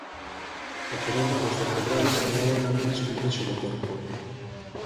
O cerebro dos vertebrados é o órgano máis complexo do corpo.